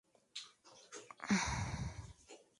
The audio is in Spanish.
Especie monógama.